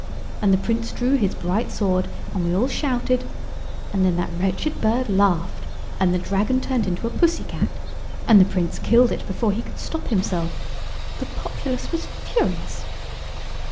And the Prince drew his bright sword and we all shouted, and then that wretched bird laughed and the Dragon turned into a pussy cat, and the Prince killed it before he could stop himself. The populace was furious."